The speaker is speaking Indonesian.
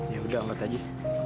ya udah mas taji